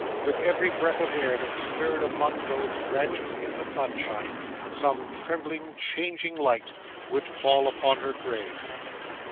With every breath of air that stirred among those branches in the sunshine, some trembling, changing light, would fall upon her grave.